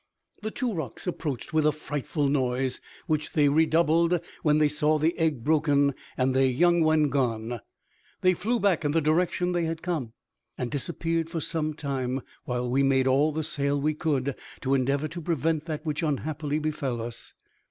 The two rocs approached with a frightful noise, which they redoubled when they saw the egg broken and their young one gone. They flew back in the direction they had come, and disappeared for some time, while we made all the sail we could to endeavor to prevent that which unhappily befell us.